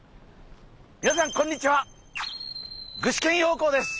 みなさんこんにちは！